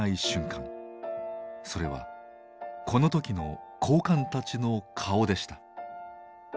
それはこの時の高官たちの顔でした。